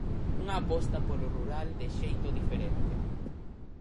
Unha aposta polo rural de xeito diferente.